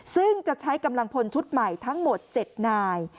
ซึ่งจะใช้กำลังพลชุดใหม่ทั้งหมด๗นาย